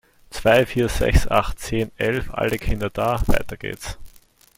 Zwei, Vier, Sechs, Acht, Zehn, Elf, alle Kinder da! Weiter geht's.